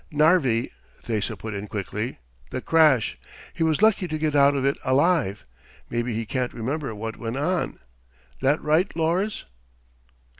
"Narvi," Thesa put in quickly. "The crash! He was lucky to get out of it alive. Maybe he can't remember what went on. That right, Lors?"